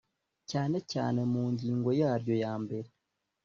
cyane cyane mu ngingo yaryo yambere